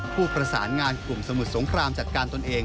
ผู้ประสานงานกลุ่มสมุทรสงครามจัดการตนเอง